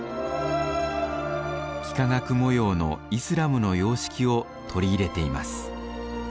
幾何学模様のイスラムの様式を取り入れています。